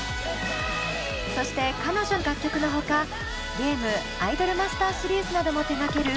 そして彼女の楽曲のほかゲーム「アイドルマスター」シリーズなども手がける